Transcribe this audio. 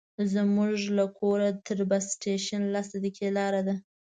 زموږ له کوره تر بس سټېشن لس دقیقې لاره ده.